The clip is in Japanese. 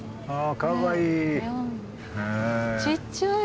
かわいいな。